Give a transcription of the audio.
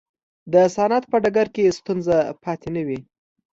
د صنعت په ډګر کې ستونزه پاتې نه وي.